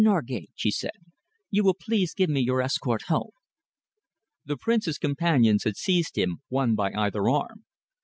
Norgate," she said, "you will please give me your escort home." The Prince's companions had seized him, one by either arm.